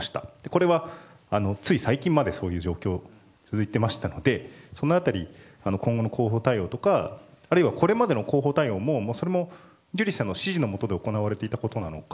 これはつい最近までそういう状況が続いてましたのでそのあたり、今後の広報対応やあるいはこれまでの広報対応もジュリーさんの指示のもとで行われていたことなのか。